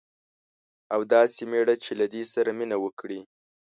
او داسي میړه چې له دې سره مینه وکړي